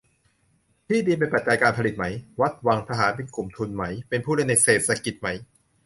ที่ดินเป็นปัจจัยการผลิตไหม ? วัด วัง ทหาร เป็นกลุ่มทุนไหม เป็นผู้เล่นในเศรษฐกิจไหม